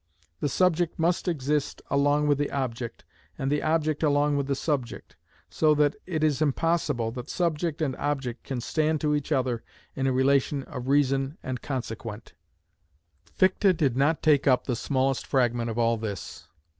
The subject must exist along with the object, and the object along with the subject, so that it is impossible that subject and object can stand to each other in a relation of reason and consequent. But Fichte did not take up the smallest fragment of all this.